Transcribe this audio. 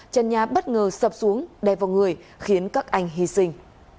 trần nhà bất ngờ sập xuống đè vào người khiến các anh hy sinh